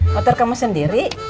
motor kamu sendiri